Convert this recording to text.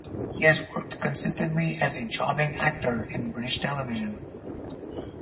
He has worked consistently as a jobbing actor in British television.